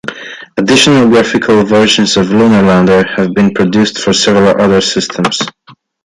Additional graphical versions of "Lunar Lander" have been produced for several other systems.